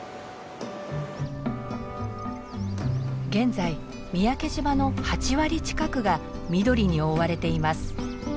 現在三宅島の８割近くが緑に覆われています。